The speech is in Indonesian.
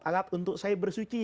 alat untuk saya bersuci